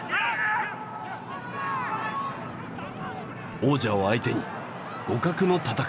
王者を相手に互角の戦い。